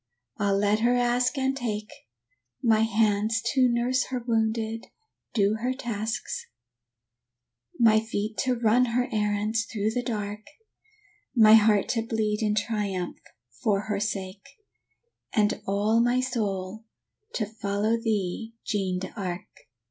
Ah, let her ask and take; My hands to nurse her wounded, do her tasks, My feet to run her errands through the dark, My heart to bleed in triumph for her sake, And all my soul to follow thee, Jeanne d'Arc!"